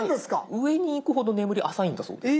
上に行くほど眠り浅いんだそうです。